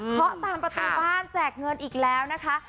เพราะตามประตูบ้านแจกเงินอีกแล้วนะคะ